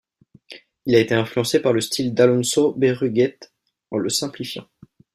Il a été influencé par le style d'Alonso Berruguete en le simplifiant.